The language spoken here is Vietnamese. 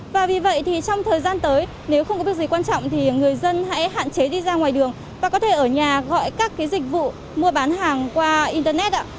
và vì vậy thì trong thời gian tới nếu không có việc gì quan trọng thì người dân hãy hạn chế đi ra ngoài đường và có thể ở nhà gọi các cái dịch vụ mua bán hàng qua internet ạ